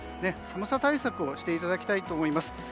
寒さ対策をしていただきたいと思います。